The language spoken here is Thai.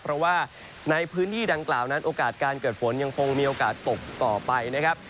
เพราะว่าในพื้นที่ดังกล่าวนั้นโอกาสการเกิดฝนยังคงมีโอกาสตกต่อไปนะครับ